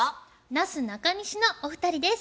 なすなかにしのお二人です。